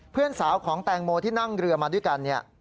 เพื่อนสาวของแตงโมที่นั่งเรือมาด้วยกันเนี่ย